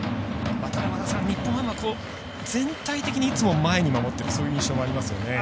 ただ、日本ハムは全体的にいつも前に守っているそういう印象ありますよね。